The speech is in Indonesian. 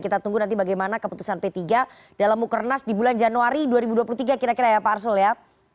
kita tunggu nanti bagaimana keputusan p tiga dalam mukernas di bulan januari dua ribu dua puluh tiga kira kira ya pak arsul ya